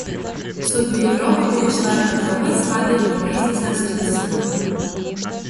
Судьбы Европы переживают подъемы и спады вместе со Средиземноморьем.